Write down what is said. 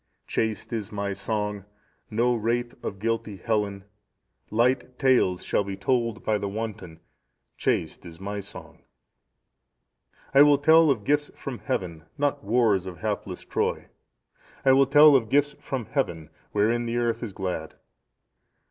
"Chaste is my song, no rape of guilty Helen; light tales shall be told by the wanton, chaste is my song. "I will tell of gifts from Heaven, not wars of hapless Troy; I will tell of gifts from Heaven, wherein the earth is glad.